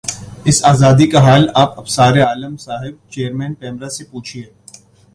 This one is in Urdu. اس آزادی کا حال آپ ابصار عالم صاحب چیئرمین پیمرا سے پوچھیے